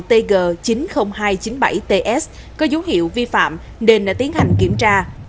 tg chín mươi nghìn hai trăm chín mươi bảy ts có dấu hiệu vi phạm nên đã tiến hành kiểm tra